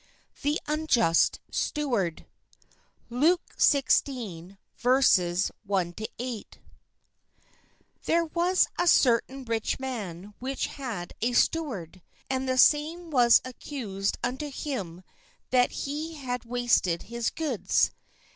THE UNJUST STEWARD THE UNJUST STEWARD HERE was a cer tain rich man which had a steward ; and the same was accused unto him that he had wasted his goods.